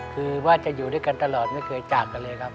คือว่าจะอยู่ด้วยกันตลอดไม่เคยจากกันเลยครับ